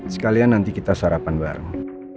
sekalian nanti kita sarapan bareng